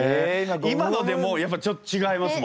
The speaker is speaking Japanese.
今のでもうやっぱちょっと違いますもん。